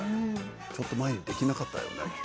ちょっと前できなかったよね。